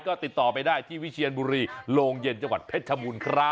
ก็ติดต่อไปได้ที่วิเชียนบุรีโรงเย็นจังหวัดเพชรชบูรณ์ครับ